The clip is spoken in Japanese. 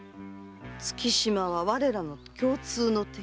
月島は我らの共通の敵。